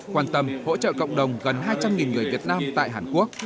quan tâm hỗ trợ cộng đồng gần hai trăm linh người việt nam tại hàn quốc